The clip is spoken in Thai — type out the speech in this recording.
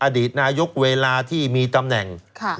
อดีตนายกเวลาที่มีตำแหน่ง